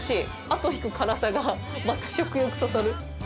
後引く辛さがまた食欲そそる。